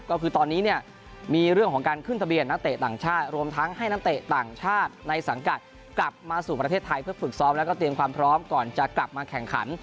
ก็คือตอนนี้เนี่ยมีเรื่องของการขึ้นทะเบียนนักเตะต่างชาติรวมทั้งให้นักเตะต่างชาติในสังกัดกลับมาสู่ประเทศไทยเพื่อฝึกซ้อมแล้วก็เตรียมความพร้อมก่อนจะกลับมาแข่งขัน